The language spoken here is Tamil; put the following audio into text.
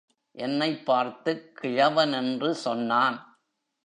என்னைப் பார்த்துக் கிழவனென்று சொன்னான்.